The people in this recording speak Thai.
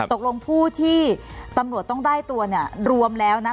ตกลงผู้ที่ตำรวจต้องได้ตัวเนี่ยรวมแล้วนะ